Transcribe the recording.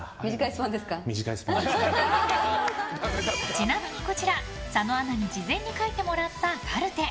ちなみにこちら佐野アナに事前に書いてもらったカルテ。